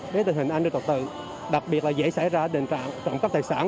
đến tình hình an ninh trật tự đặc biệt là dễ xảy ra đền trạng trọng cấp tài sản